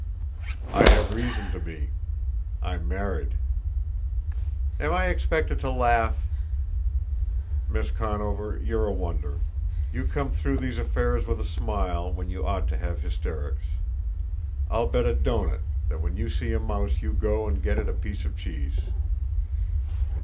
"I have reason to be. I'm married." "Am I expected to laugh?" "Miss Conover, you're a wonder. You come through these affairs with a smile, when you ought to have hysterics. I'll bet a doughnut that when you see a mouse you go and get it a piece of cheese."